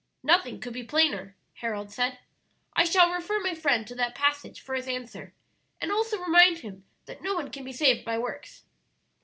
'" "Nothing could be plainer," Harold said. "I shall refer my friend to that passage for his answer, and also remind him that no one can be saved by works.